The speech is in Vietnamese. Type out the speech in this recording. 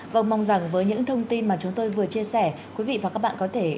vâng mong rằng với những thông tin mà chúng tôi vừa chia sẻ quý vị và các bạn có thể